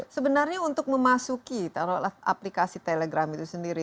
sebenarnya untuk memasuki aplikasi telegram itu sendiri